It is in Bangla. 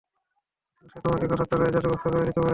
সে তোমাকে কথার দ্বারাই জাদুগ্রস্ত করে দিতে পারে।